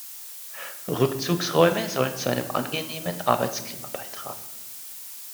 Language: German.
Rückzugsräume sollen zu einem angenehmen Arbeitsklima beitragen.